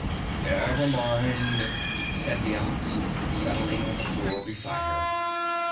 "Never mind," said the Ox, settling on the floor beside her.